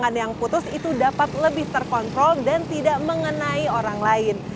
dan yang putus itu dapat lebih terkontrol dan tidak mengenai orang lain